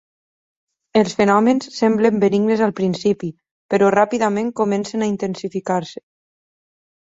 Els fenòmens semblen benignes al principi, però ràpidament comencen a intensificar-se.